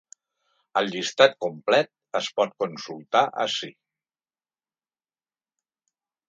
El llistat complet es pot consultar ací.